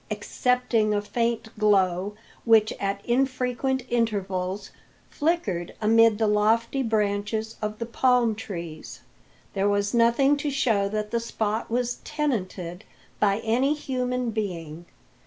Excepting a faint glow, which at infrequent intervals flickered amid the lofty branches of the palm trees, there was nothing to show that the spot was tenanted by any human being.